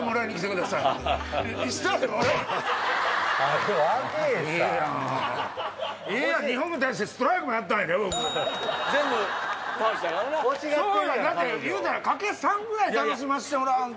だって言うたら掛け３ぐらい楽しませてもらわんと。